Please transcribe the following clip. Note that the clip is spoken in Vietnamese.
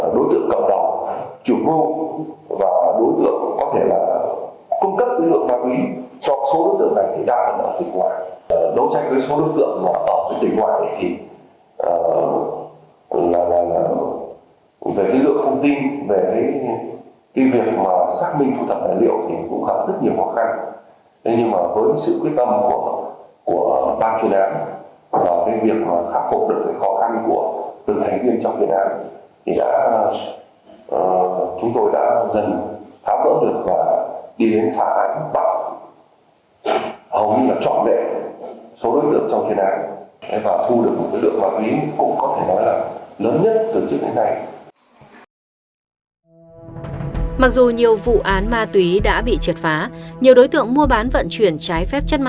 đối tượng cộng đạo chủ vô đối tượng có thể là cung cấp lưỡi lượng gia quý cho số đối tượng này đang ở ngoài